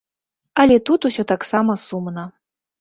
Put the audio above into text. Але тут усё таксама сумна.